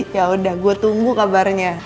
yaudah gue tunggu kabarnya